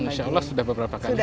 insya allah sudah beberapa kali